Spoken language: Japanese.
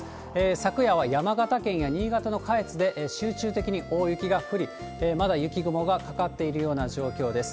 昨夜は山形県や新潟の下越で集中的に大雪が降り、まだ雪雲がかかっているような状況です。